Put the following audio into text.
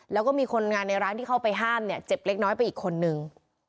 แล้วก็มีคนงานในร้านที่เข้าไปห้ามเนี่ยเจ็บเล็กน้อยไปอีกคนนึง